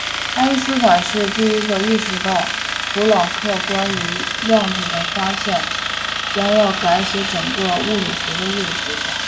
爱因斯坦是第一个意识到普朗克关于量子的发现将要改写整个物理学的物理学家。